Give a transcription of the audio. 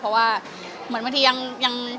เพราะว่าเหมือนบางทียัง